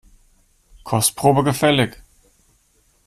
Kostprobe gefällig?